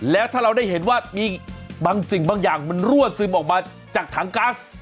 แล้วถ้าเราได้เห็นว่ามีบางสิ่งบางอย่างมันรั่วซึมออกมาจากถังก๊าซ